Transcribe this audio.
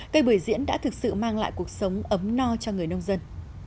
cây bưởi diễn đã thực sự mang lại cuộc sống ấm no cho người nông dân